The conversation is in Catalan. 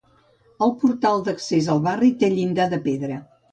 El portal d'accés al barri té llindar de pedra.